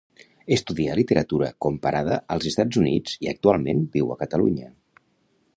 Estudià literatura comparada als Estats Units i actualment viu a Catalunya.